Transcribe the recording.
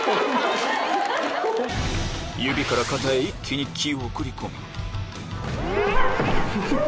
指から肩へ一気に気を送り込みうわぁ！